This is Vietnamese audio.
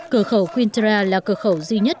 cửa khẩu quintra là cửa khẩu duy nhất